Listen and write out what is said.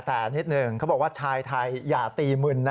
แต่นิดหนึ่งเขาบอกว่าชายไทยอย่าตีมึนนะ